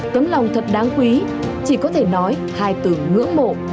tấm lòng thật đáng quý chỉ có thể nói hai từ ngưỡng mộ